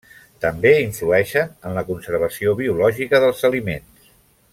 També influeixen en la conservació biològica dels aliments.